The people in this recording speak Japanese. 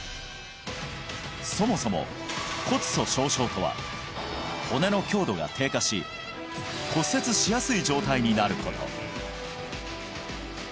そもそも骨粗しょう症とは骨の強度が低下し骨折しやすい状態になること